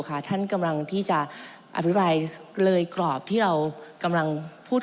ท่านกำลังที่จะอภิปรายเลยกรอบที่เรากำลังพูด